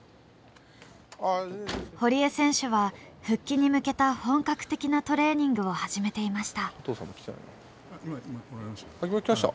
堀江選手は復帰に向けた本格的なトレーニングを始めていました。